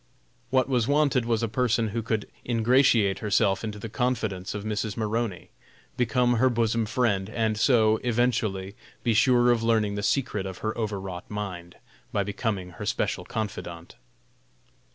What was wanted was a person who could ingratiate herself into the confidence of Mrs. Maroney, become her bosom friend, and so, eventually, be sure of learning the secret of her overwrought mind, by becoming her special confidante.